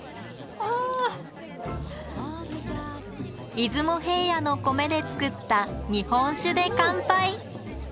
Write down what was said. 出雲平野の米で造った日本酒で乾杯！